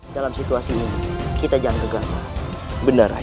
dalam situasi ini kita jangan kegagalan benar rai